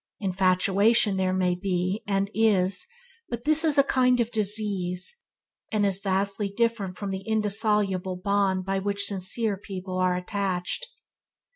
Infatuation there may be, and is, but this is a kind of disease, and is vastly different from the indissoluble bond by which sincere people are attached.